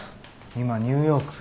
今ニューヨーク。